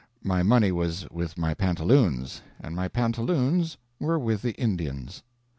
My money was with my pantaloons, and my pantaloons were with the Indians.